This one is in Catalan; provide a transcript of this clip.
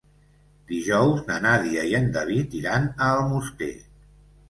Dijous na Nàdia i en David iran a Almoster.